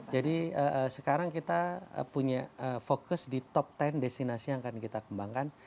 jadi sekarang kita punya fokus di top ten destinasi yang akan kita kembangkan